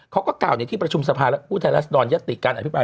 เขาก็กล่าวที่ประชุมสภาพอุทิศรัสดอลยัตติการอภิปราย